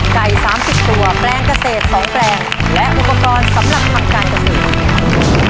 ไก่๓๐ตัวแปลงเกษตร๒แปลงและอุปกรณ์สำหรับทำการเกษตร